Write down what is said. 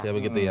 ya begitu ya